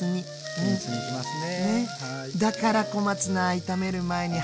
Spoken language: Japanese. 均一にいきますね。